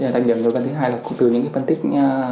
đặc điểm đối với phân tích thứ hai là từ những phân tích